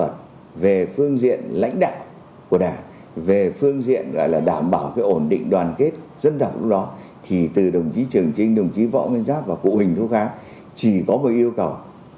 đồng chí trường trinh đồng chí võ nguyên giáp và cụ hình thú khá chỉ có một yêu cầu